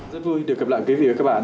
rất vui được gặp lại quý vị và các bạn